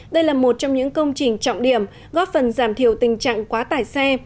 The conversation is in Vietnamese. đây là một trong những công trình trọng điểm góp phần giảm thiểu tình trạng quá tải xe